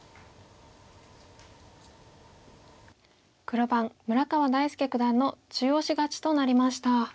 黒番村川大介九段の中押し勝ちとなりました。